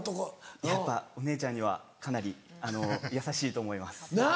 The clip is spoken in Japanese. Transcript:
やっぱお姉ちゃんにはかなり優しいと思います。なぁ！